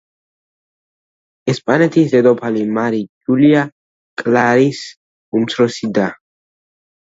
ესპანეთის დედოფალ მარი ჯულია კლარის უმცროსი და.